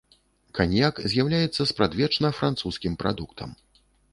Каньяк з'яўляецца спрадвечна французскім прадуктам.